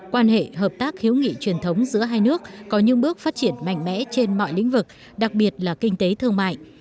quan hệ hợp tác hiếu nghị truyền thống giữa hai nước có những bước phát triển mạnh mẽ trên mọi lĩnh vực đặc biệt là kinh tế thương mại